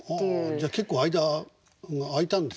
じゃあ結構間があいたんですね。